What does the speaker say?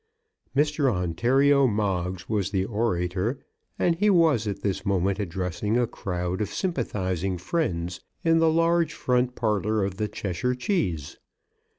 Mr. Ontario Moggs was the orator, and he was at this moment addressing a crowd of sympathising friends in the large front parlour of the Cheshire Cheese.